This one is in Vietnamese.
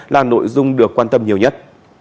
là nội dung được quan tâm nhiều nhất